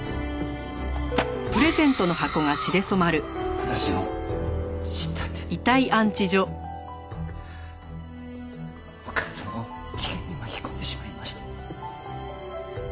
私の失態でお母様を事件に巻き込んでしまいました。